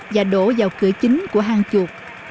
và đổ vào cửa chính của hang chuột